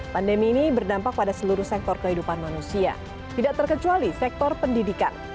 pandemi ini berdampak pada seluruh sektor kehidupan manusia tidak terkecuali sektor pendidikan